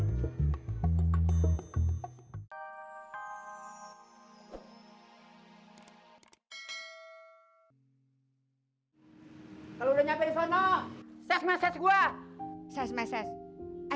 kalo udah nyampe di sana ses mesej gue